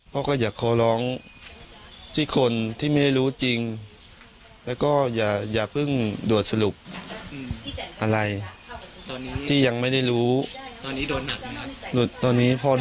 พ่อแม่ร้องไห้